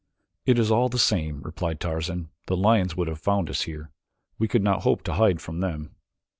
"It is all the same," replied Tarzan; "the lions would have found us here. We could not hope to hide from them."